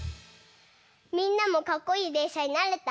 みんなもかっこいいでんしゃになれた？